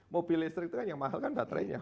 mobil listrik itu kan yang mahal kan baterainya